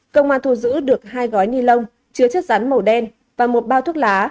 công an thu giữ được hai gói ni lông chứa chất rắn màu đen và một bao thuốc lá